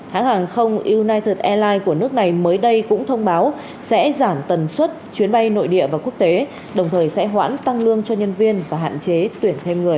hãng hàng không united airlines của nước này mới đây cũng thông báo sẽ giảm tần suất chuyến bay nội địa và quốc tế đồng thời sẽ hoãn tăng lương cho nhân viên và hạn chế tuyển thêm người